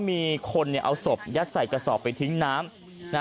มีคนเอาศพยัดใส่กระสอบไปทิ้งน้ำ